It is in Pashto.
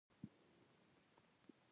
احمده څه فکر اخيستی يې؟